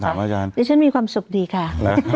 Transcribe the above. ด้วยฉันมีความสุขดีค่ะ